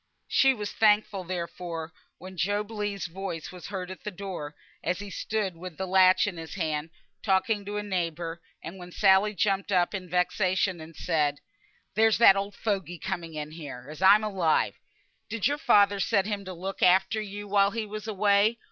She was thankful, therefore, when Job Legh's voice was heard at the door, as he stood with the latch in his hand, talking to a neighbour, and when Sally jumped up in vexation and said, "There's that old fogey coming in here, as I'm alive! Did your father set him to look after you while he was away?